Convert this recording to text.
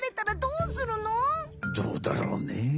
どうだろうね？